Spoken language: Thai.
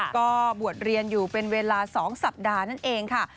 ก็บวชเรียนอยู่เป็นเวลา๒สัปดาห์นั่นเองค่ะ